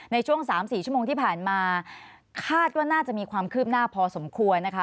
ในช่วง๓๔ชั่วโมงที่ผ่านมาคาดว่าน่าจะมีความคืบหน้าพอสมควรนะคะ